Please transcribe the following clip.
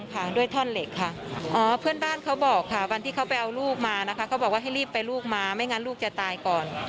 เขาบอกว่าให้รีบไปลูกมาไม่งั้นลูกจะตายก่อน